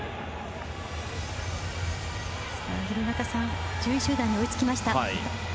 廣中さん１０位集団に追いつきました。